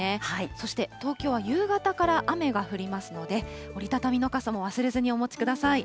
そして、東京は夕方から雨が降りますので、折り畳みの傘も忘れずにお持ちください。